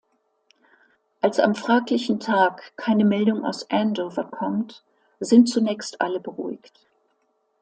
Als am fraglichen Tag keine Meldung aus Andover kommt, sind zunächst alle beruhigt.